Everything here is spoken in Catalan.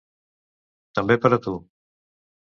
També per a tu.